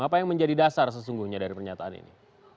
apa yang menjadi dasar sesungguhnya dari pernyataan ini